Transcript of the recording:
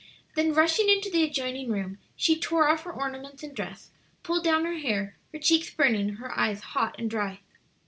Then rushing into the adjoining room, she tore off her ornaments and dress, pulled down her hair, her cheeks burning, her eyes hot and dry.